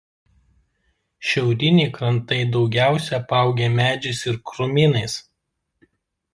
Šiauriniai krantai daugiausia apaugę medžiais ir krūmynais.